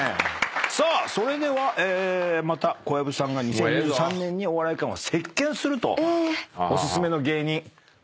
さあそれではまた小籔さんが２０２３年にお笑い界を席巻するとお薦めの芸人こちらの方です。